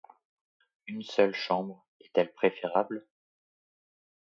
Une seule chambre est-elle préférable?